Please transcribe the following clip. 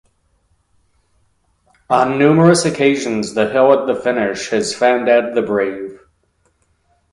On numerous occasions the hill at the finish has found out the brave.